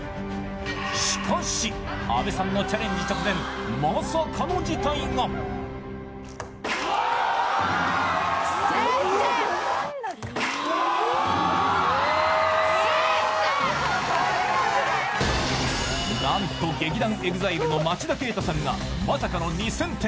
しかし、阿部さんのチャレンジ直前まさかの事態がなんと劇団ＥＸＩＬＥの町田啓太さんがまさかの２０００点。